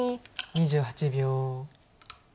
２８秒。